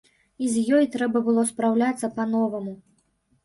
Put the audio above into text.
І з ёй трэба было спраўляцца па-новаму.